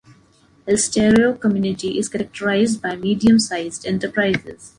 Elsteraue community is characterized by medium-sized enterprises.